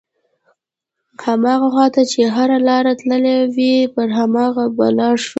هماغه خواته چې هره لاره تللې وي پر هماغه به لاړ شو.